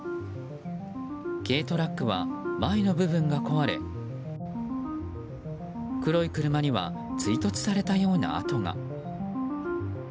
軽トラックは前の部分が壊れ黒い車には追突されたような跡が。